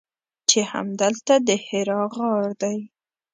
چې همدلته د حرا غار دی.